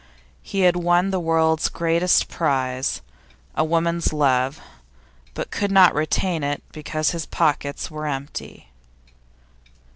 He had won the world's greatest prize a woman's love but could not retain it because his pockets were empty.